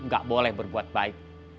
gak boleh berbuat baik